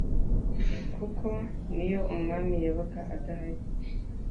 kuko niyo umwami yabaga Adahari